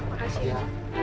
terima kasih ya